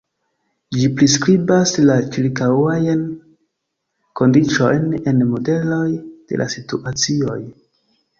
Ĝi priskribas la ĉirkaŭajn kondiĉojn en modeloj de la situacioj.